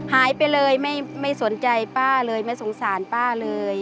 หายไปเลยไม่สนใจป้าเลยไม่สงสารป้าเลย